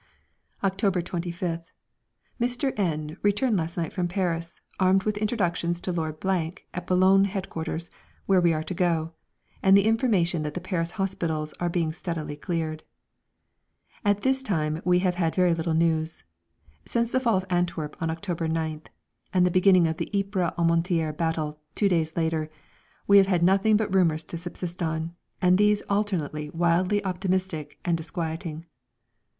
October 25th. Mr. N returned last night from Paris armed with introductions to Lord at Boulogne headquarters, where we are to go, and the information that the Paris hospitals are being steadily cleared. All this time we have had very little news. Since the fall of Antwerp on October 9th, and the beginning of the Ypres Armentières battle two days later, we have had nothing but rumours to subsist on, and these alternately wildly optimistic and disquieting.